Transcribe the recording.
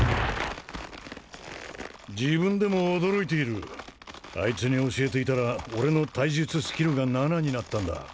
自分でも驚いているあいつに教えていたら俺の体術スキルが７になったんだ